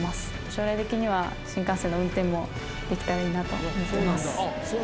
将来的には、新幹線の運転もできたらいいなと思ってます。